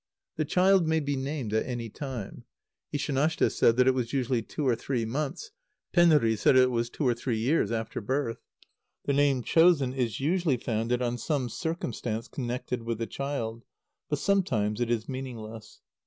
The child may be named at any time. Ishanashte said that it was usually two or three months, Penri said that it was two or three years, after birth. The name chosen is usually founded on some circumstance connected with the child, but sometimes it is meaningless.